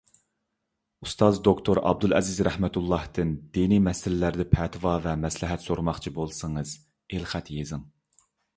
ئۇستاز دوكتور ئابدۇلئەزىز رەھمەتۇللاھتىن دىنىي مەسىلىلەردە پەتىۋا ۋە مەسلىھەت سورىماقچى بولسىڭىز، ئېلخەت يېزىڭ.